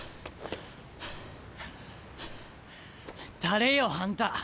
誰よあんた。